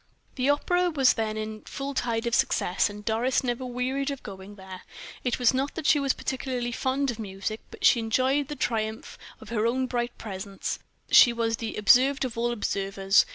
The opera was then in full tide of success, and Doris never wearied of going there. It was not that she was particularly fond of music, but she enjoyed the triumph of her own bright presence; she was the observed of all observers.